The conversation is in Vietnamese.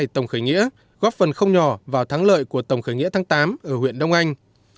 tổng khởi nghĩa góp phần không nhỏ vào thắng lợi của tổng khởi nghĩa tháng tám ở huyện đông anh